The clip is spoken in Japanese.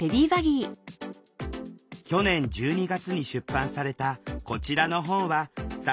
去年１２月に出版されたこちらの本はさまざまな形で展開。